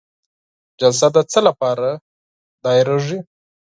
جلسه د څه لپاره دایریږي؟